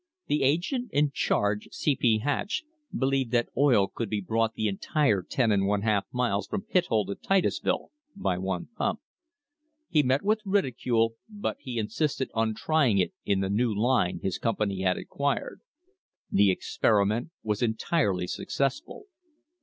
The agent in charge, C. P. Hatch, believed that oil could be brought the entire ten and one half miles from Pit THE HISTORY OF THE STANDARD OIL COMPANY hole to Titusville by one pump. He met with ridicule, but he insisted on trying it in the new line his company had acquired. The experiment was entirely successful.